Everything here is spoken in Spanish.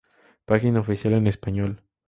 Página oficial en Español